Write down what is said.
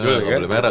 nggak boleh merek